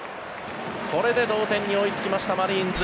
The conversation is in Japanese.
これで同点に追いつきましたマリーンズ。